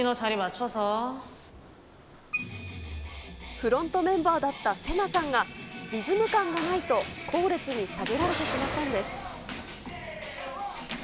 フロントメンバーだったセナさんが、リズム感がないと、後列に下げられてしまったんです。